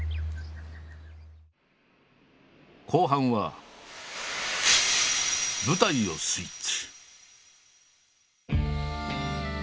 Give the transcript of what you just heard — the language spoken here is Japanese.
後半は舞台をスイッチ。